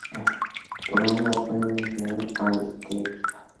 Groninga fue una ciudad hanseática.